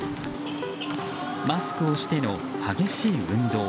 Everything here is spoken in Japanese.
マスクをしての激しい運動。